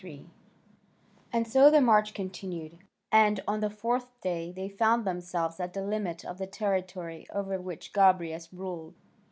3] And so the march continued, and on the fourth day they found themselves at the limit of the territory over which Gobryas ruled.